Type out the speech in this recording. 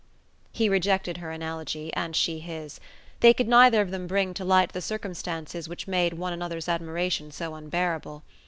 He rejected her analogy, and she his. They could neither of them bring to light the circumstances which made one another's admiration so unbearable.